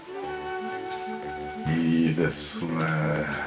いいですねえ。